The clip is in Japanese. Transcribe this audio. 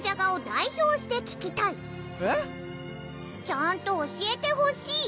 ちゃんと教えてほしい！